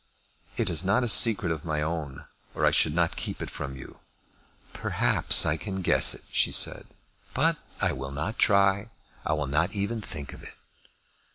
"It is not a secret of my own, or I should not keep it from you." "Perhaps I can guess it," she said. "But I will not try. I will not even think of it."